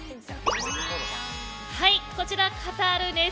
こちら、カタールです。